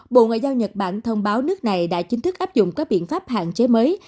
bộ ngoại giao nhật bản thông báo nước này đã chính thức áp dụng các biện pháp hạn chế mới